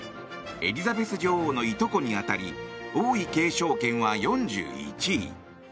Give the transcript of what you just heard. エリザベス女王のいとこに当たり王位継承権は４１位。